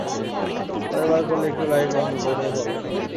পরের বার করলে, একটু লাইট বন্ধ করে কোরো।